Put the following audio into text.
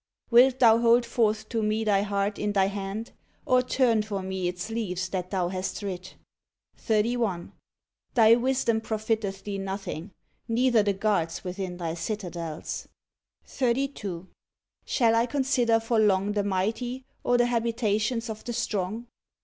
Wilt thou hold forth to Me thy heart in thy hand; or turn for Me its leaves that thou hast writ? 31. Thy wisdom profiteth thee nothing, neither the guards within thy citadels. 32. Shall I consider for long the mighty, or the habitations of the strong?